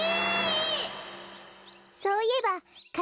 そういえばか